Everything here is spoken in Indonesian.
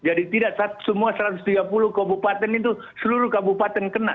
jadi tidak semua satu ratus tiga puluh kabupaten itu seluruh kabupaten kena